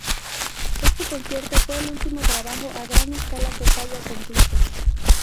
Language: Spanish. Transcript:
Este concierto fue el último trabajo a gran escala que Falla completó.